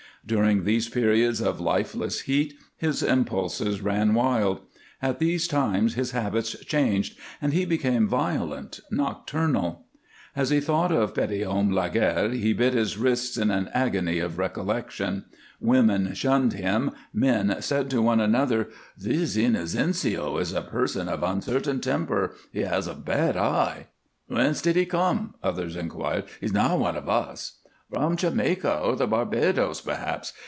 During these periods of lifeless heat his impulses ran wild; at these times his habits changed and he became violent, nocturnal. As he thought of Petithomme Laguerre he bit his wrists in an agony of recollection. Women shunned him, men said to one another: "This Inocencio is a person of uncertain temper. He has a bad eye." "Whence did he come?" others inquired. "He is not one of us." "From Jamaica, or the Barbadoes, perhaps.